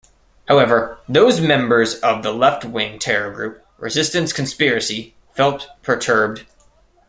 However, those members of the left wing terror group, Resistance Conspiracy felt perturbed.